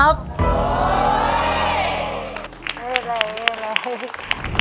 ไม่ไล่ไม่ไล่